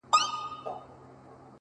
o د خدای د عرش قهر د دواړو جهانونو زهر ـ